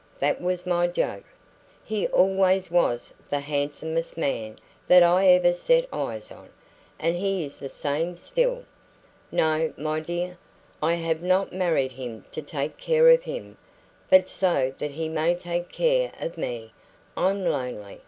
That was my joke. He always was the handsomest man that I ever set eyes on, and he is the same still. No, my dear, I have not married him to take care of him, but so that he may take care of me. I'm lonely.